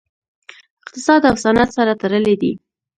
اقتصاد او صنعت سره تړلي دي